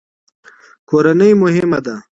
کورنۍ مهمه ده.